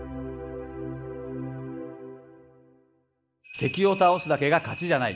敵を倒すだけが勝ちじゃない。